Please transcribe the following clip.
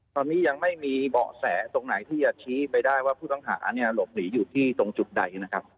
ตอนนี้ยังไม่มีเบาะแสตรงไหนที่จะชี้ไปได้ว่าผู้ต้องหาเนี่ยหลบหนีอยู่ที่ตรงจุดใดนะครับ